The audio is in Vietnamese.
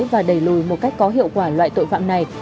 và đẩy lùi một cách có hiệu quả loại tội phạm này